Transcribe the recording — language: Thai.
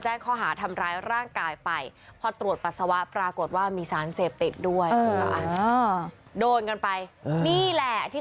จะถามว่าจะศึกษายังไง